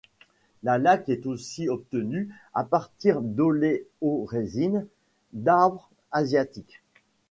La laque est aussi obtenue à partir d'oléorésines d'arbres asiatiques.